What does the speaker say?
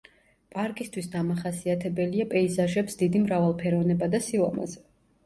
პარკისთვის დამახასიათებელია პეიზაჟებს დიდი მრავალფეროვნება და სილამაზე.